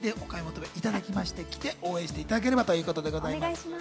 皆さん、ぜひお買い求めいただきまして、着て応援していただければということです。